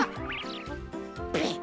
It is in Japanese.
ペッ！